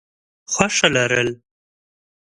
خوښه لرل: